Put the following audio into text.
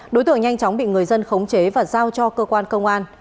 đối tượng nhanh chóng bị người dân khống chế và giao cho cơ quan công an